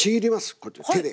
こうやって手で。